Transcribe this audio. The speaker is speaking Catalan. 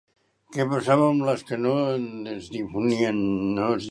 Què passava amb les que no es difonien?